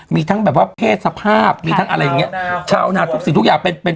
มีทั้งแบบว่าเพศสภาพมีทั้งอะไรอย่างเงี้ยชาวนาทุกสิ่งทุกอย่างเป็นเป็น